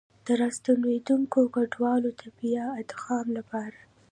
د راستنېدونکو کډوالو د بيا ادغام لپاره